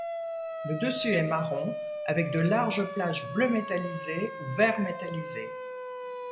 Le dessus est marron avec de larges plages bleu métallisé ou vert métallisé.